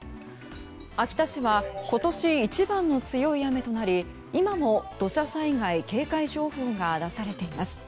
秋田市は今年一番の強い雨となり今も土砂災害警戒情報が出されています。